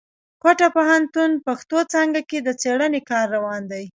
کوټه پوهنتون پښتو څانګه کښي د څېړني کار روان دی.